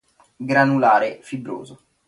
Granulare, fibroso.